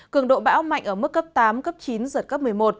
cường độ bão mạnh ở mức cấp tám cấp chín giật cấp một mươi một